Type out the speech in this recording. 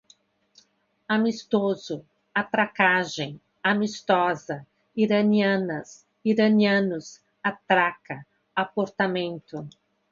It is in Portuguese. Amistoso, atracagem, amistosa, iranianas, iranianos, atraca, aportamento